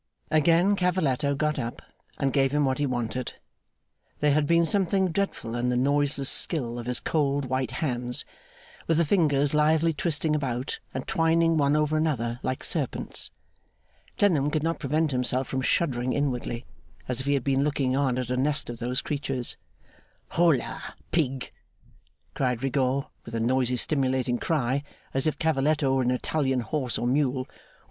Again Cavalletto got up, and gave him what he wanted. There had been something dreadful in the noiseless skill of his cold, white hands, with the fingers lithely twisting about and twining one over another like serpents. Clennam could not prevent himself from shuddering inwardly, as if he had been looking on at a nest of those creatures. 'Hola, Pig!' cried Rigaud, with a noisy stimulating cry, as if Cavalletto were an Italian horse or mule.